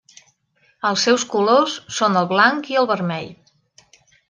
Els seus colors són el blanc i el vermell.